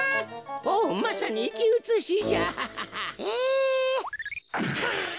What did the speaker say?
おまさにいきうつしじゃ。え！？はあ。